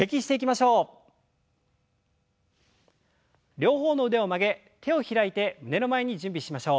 両方の腕を曲げ手を開いて胸の前に準備しましょう。